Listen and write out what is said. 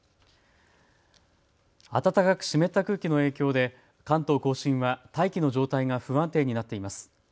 暖かく湿った空気の影響で関東甲信は大気の状態が不安定になっています。